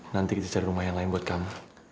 nanti kita cari rumah yang lain buat kamu